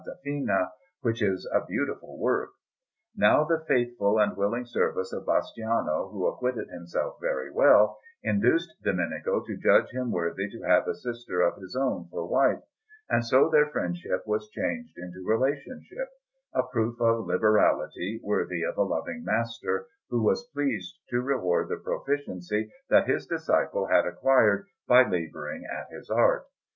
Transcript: Fina, which is a beautiful work. Now the faithful and willing service of Bastiano, who acquitted himself very well, induced Domenico to judge him worthy to have a sister of his own for wife; and so their friendship was changed into relationship a proof of liberality worthy of a loving master, who was pleased to reward the proficiency that his disciple had acquired by labouring at his art.